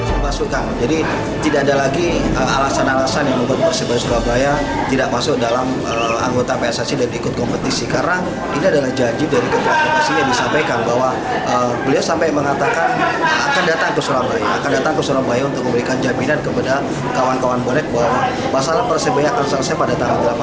apakah kongres januari nanti benar benar mensahkan status persebaya